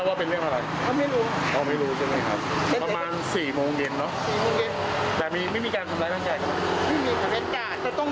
พยายามจะให้ออกจากรถหรือเปล่าแล้วบอกว่ายังราศนะ